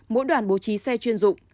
mỗi đoàn bố trí xe chuyên dụng